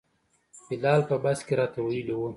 بلال په بس کې راته ویلي وو.